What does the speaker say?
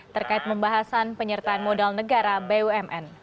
terkait pembahasan penyertaan modal negara bumn